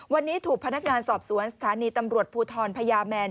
วันนี้ถูกพนักงานสอบสวนสถานีตำรวจภูทรพญาแมน